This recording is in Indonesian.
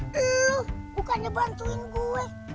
lu bukan dia bantuin gue